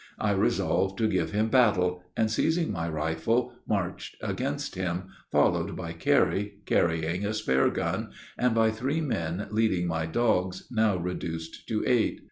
I resolved to give him battle, and, seizing my rifle, marched against him, followed by Carey carrying a spare gun, and by three men leading my dogs, now reduced to eight.